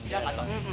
ya enggak tahu